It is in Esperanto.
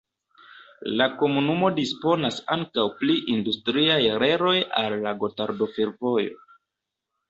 La komunumo disponas ankaŭ pri industriaj reloj al la Gotardo-Fervojo.